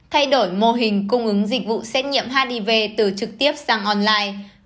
thay đổi mô hình cung ứng dịch vụ xét nghiệm hiv từ trực tiếp sang online